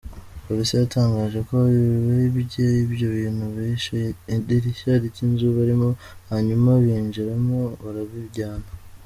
Polisi yatangaje ko abibye ibyo bintu bishe idirishya ry’inzu byarimo; hanyuma binjiramo barabijyana.